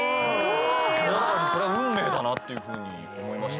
すごい！これは運命だなっていうふうに思いましたね。